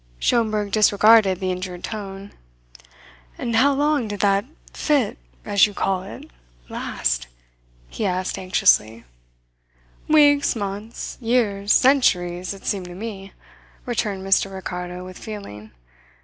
Schomberg disregarded the injured tone. "And how long did that fit, as you call it, last?" he asked anxiously. "Weeks, months, years, centuries, it seemed to me," returned Mr. Ricardo with feeling.